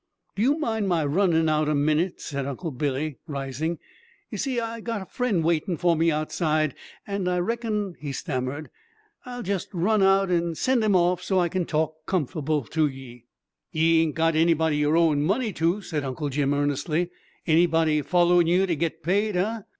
"Do you mind my runnin' out a minit?" said Uncle Billy, rising. "You see, I've got a friend waitin' for me outside and I reckon" he stammered "I'll jest run out and send him off, so I kin talk comf'ble to ye." "Ye ain't got anybody you're owin' money to," said Uncle Jim earnestly, "anybody follerin' you to get paid, eh?